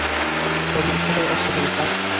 সবাই অস্ত্রধারী, স্যার।